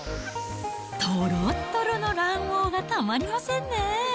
とろっとろの卵黄がたまりませんね。